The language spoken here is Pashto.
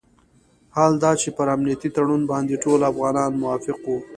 حال دا چې پر امنیتي تړون باندې ټول افغانان موافق وو.